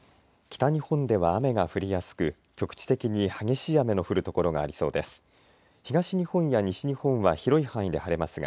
北日本では雨が降りやすく局地的に激しい雨の降る所がありそうです。